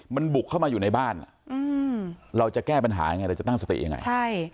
มันบุกเข้ามาอยู่ในบ้านอ่ะอืมเราจะแก้ปัญหายังไงเราจะตั้งสติยังไงใช่